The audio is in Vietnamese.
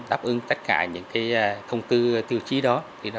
đáp ứng tất cả những thông tư tiêu chí đó